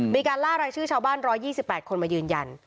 มีการล่ารายชื่อชาวบ้าน๑๒๘คนมายืนยัน